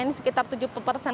ini sekitar tujuh puluh persen